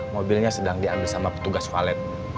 mobilnya sedang diambil sama petugas valet